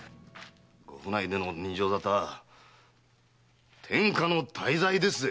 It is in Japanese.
御府内での刃傷沙汰は天下の大罪ですぜ。